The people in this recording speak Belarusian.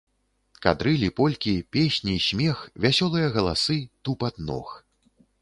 Кадрылі, полькі, песні, смех, вясёлыя галасы, тупат ног.